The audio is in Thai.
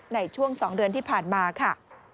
ในช่วง๒เดือนที่ผ่านมาค่ะ